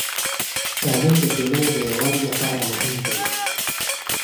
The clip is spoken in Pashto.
تعليم د ټولنې د يووالي لپاره مهم دی.